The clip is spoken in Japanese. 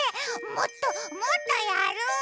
もっともっとやる！